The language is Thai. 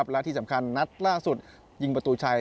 และที่สำคัญนัดล่าสุดยิงประตูชัย